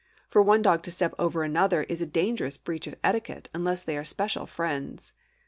For one dog to step over another is a dangerous breach of etiquette unless they are special friends.